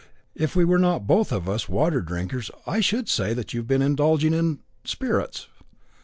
"If we were not both of us water drinkers, I should say that you had been indulging in spirits."